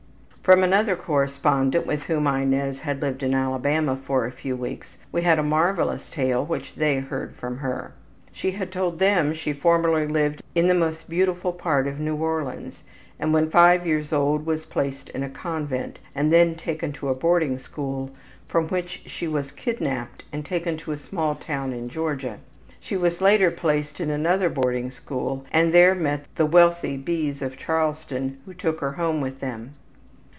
'' From another correspondent with whom Inez had lived in Alabama for a few weeks we had a marvelous tale which they heard from her. She had told them she formerly lived in the most beautiful part of New Orleans and when 5 years old was placed in a convent, and then taken to a boarding school, from which she was kidnapped and taken to a small town in Georgia. She was later placed in another boarding school and there met the wealthy B.'s of Charleston who took her home with them.